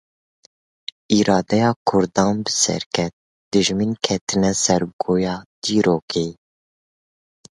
Îradeya Kurdan bi ser ket, dijmin ketine sergoya dîrokê.